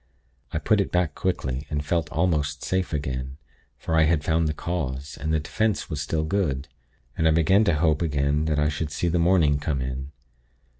I put it back, quickly, and felt almost safe again, for I had found the cause, and the 'defense' was still good. And I began to hope again that I should see the morning come in.